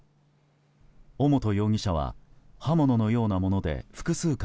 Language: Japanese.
尾本容疑者は刃物のようなもので複数回